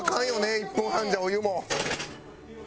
１分半じゃお湯も。